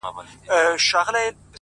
• اوس مي نو ومرگ ته انتظار اوسئ،